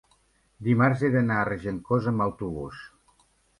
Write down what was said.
dimarts he d'anar a Regencós amb autobús.